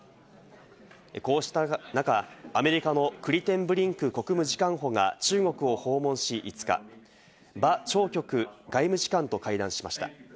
こうした中、アメリカのクリテンブリンク国務次官補が中国を訪問し、５日、バ・チョウキョク外務次官と会談しました。